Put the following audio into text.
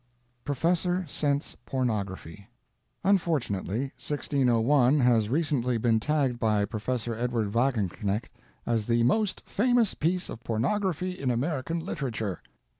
PROFESSOR SCENTS PORNOGRAPHY Unfortunately, 1601 has recently been tagged by Professor Edward Wagenknecht as "the most famous piece of pornography in American literature."